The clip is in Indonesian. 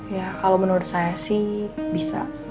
ya kalau menurut saya sih bisa